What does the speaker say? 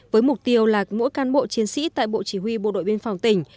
với mục tiêu là mỗi cán bộ chiến sĩ tại bộ chỉ huy bộ đội biên phòng tỉnh